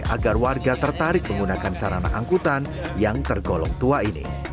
agar warga tertarik menggunakan sarana angkutan yang tergolong tua ini